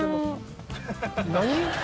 何？